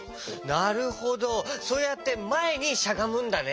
なるほどそうやってまえにしゃがむんだね。